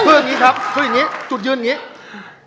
คืออย่างนี้ครับคืออย่างนี้จุดยืนอย่างนี้